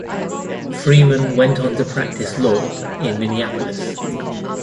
Freeman went on to practice law in Minneapolis.